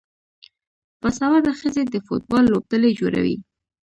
باسواده ښځې د فوټبال لوبډلې جوړوي.